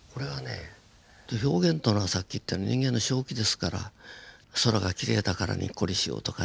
表現というのはさっき言ったように人間の正気ですから空がきれいだからにっこりしようとかね。